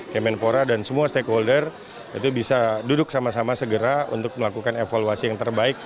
kemenpora dan semua stakeholder itu bisa duduk sama sama segera untuk melakukan evaluasi yang terbaik